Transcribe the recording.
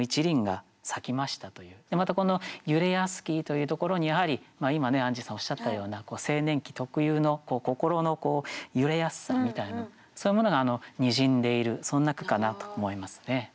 またこの「揺れやすき」というところにやはり今アンジーさんおっしゃったような青年期特有の心の揺れやすさみたいなそういうものがにじんでいるそんな句かなと思いますね。